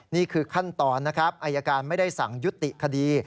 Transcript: นี่คือขั้นตอนนะครับอายการไม่ได้สั่งยุติคดี